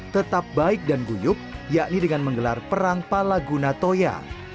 tetap baik dan guyup yakni dengan menggelar perang palaguna toya